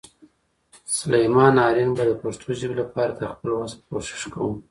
سلیمان آرین به د پښتو ژبې لپاره تر خپل وس کوشش کوم.